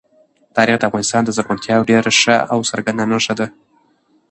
تاریخ د افغانستان د زرغونتیا یوه ډېره ښه او څرګنده نښه ده.